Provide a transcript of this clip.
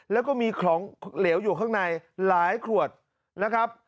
แล้วก็มีของเหลวอยู่ข้างในหลายขวดนะครับ